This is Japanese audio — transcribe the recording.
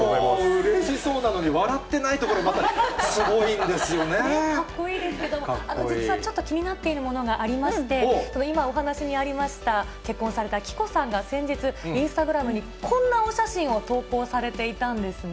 うれしそうなのに笑ってないかっこいいですけど、実はちょっと気になっているものがありまして、今、お話にありました、結婚された貴子さんが先日、インスタグラムにこんなお写真を投稿されていたんですね。